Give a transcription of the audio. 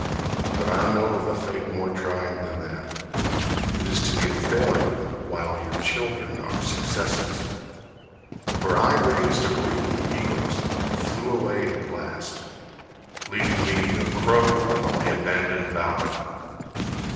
But I know of a fate more trying than that: It is to be a failure while your children are successes. For I raised a brood of eagles Who flew away at last, leaving me A crow on the abandoned bough.